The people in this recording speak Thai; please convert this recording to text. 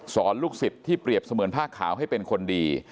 ลูกศิษย์ที่เปรียบเสมือนผ้าขาวให้เป็นคนดี